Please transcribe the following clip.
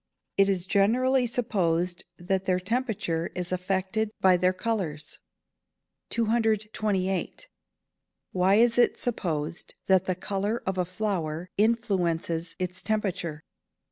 _ It is generally supposed that their temperature is affected by their colours. 228. _Why is it supposed that the colour of a flower influences its temperature?